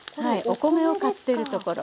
お米を買ってるところ。